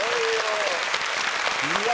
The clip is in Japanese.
いや。